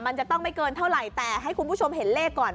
มันจะต้องไม่เกินเท่าไหร่แต่ให้คุณผู้ชมเห็นเลขก่อน